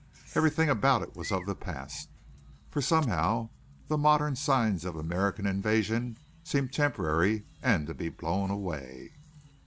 Everything about it was of the past; for somehow the modern signs of American invasion seemed temporary and to be blown away.